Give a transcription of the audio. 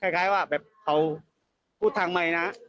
คล้ายว่าแบบเขาพูดทางใหม่นะ